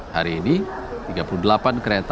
hari ini tiga puluh delapan kereta